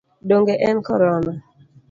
Donge en Korona?